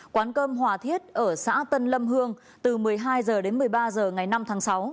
quán cơm hòa thiết ở xã tân lâm hương từ một mươi hai h đến một mươi ba h ngày năm tháng sáu